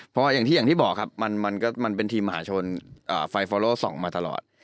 เพราะว่าอย่างที่บอกครับมันเป็นทีมมหาชนไฟฟอโลส่องมาตลอด